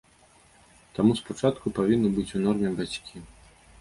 Таму спачатку павінны быць у норме бацькі.